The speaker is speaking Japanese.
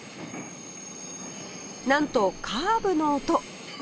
なんとカーブの音